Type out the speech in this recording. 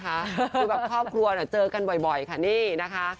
คือแบบครอบครัวเจอกันบ่อยค่ะนี่นะคะ